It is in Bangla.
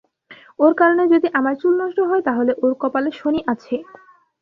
ওর কারণে যদি আমার চুল নষ্ট হয় তাহলে ওর কপালে শনি আছে।